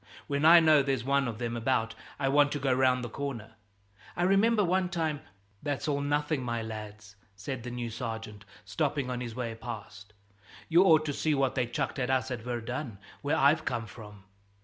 When I know there's one of them about, I want to go round the corner. I remember one time " "That's all nothing, my lads," said the new sergeant, stopping on his way past, "you ought to see what they chucked us at Verdun, where I've come from.